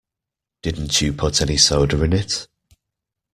Didn't you put any soda in it?